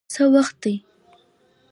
څه وخت دی؟